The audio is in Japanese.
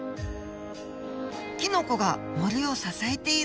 キノコが森を支えている。